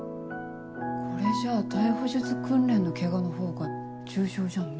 これじゃあ逮捕術訓練のケガのほうが重傷じゃんね。